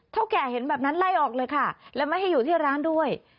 แก่เห็นแบบนั้นไล่ออกเลยค่ะแล้วไม่ให้อยู่ที่ร้านด้วย